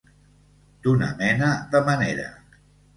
D'una mena de manera.